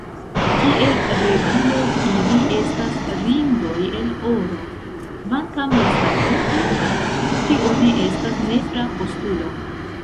Kiel regulo, ili estas ringoj el oro, kvankam lastatempe tio ne estas nepra postulo.